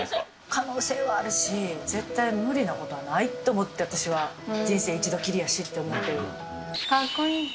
可能性はあるし、絶対無理なことはないと思って、私は人生一度きりやしって思ってる。